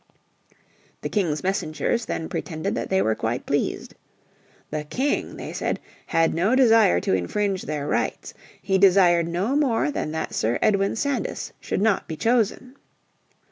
The King's messengers then pretended that they were quite pleased. "The King," they said, "had no desire to infringe their rights. He desired no more than that Sir Edwin Sandys should not be chosen."